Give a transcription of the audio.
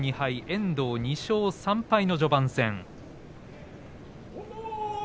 遠藤は２勝３敗の序盤戦。